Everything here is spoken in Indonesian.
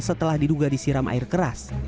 setelah diduga disiram air keras